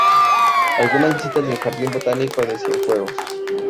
Algunas vistas del ""Jardín Botánico de Cienfuegos"".